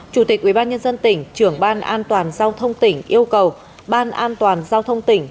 chủ tịch ubnd tỉnh trưởng ban an toàn giao thông tỉnh yêu cầu ban an toàn giao thông tỉnh